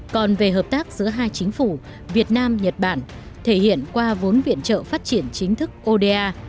còn về hợp tác giữa hai chính phủ việt nam nhật bản thể hiện qua vốn viện trợ phát triển chính thức oda